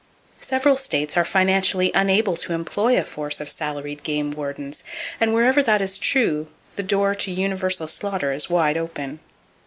Several states are financially unable to employ a force of salaried game wardens; and wherever that is true, the door to universal slaughter is wide open.